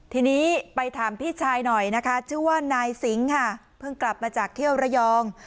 ทีนี้ไปถามพี่ชายหน่อยนะคะชื่อว่านายสิงค่ะเพิ่งกลับมาจากเที่ยวระยอง